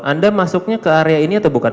anda masuknya ke area ini atau bukan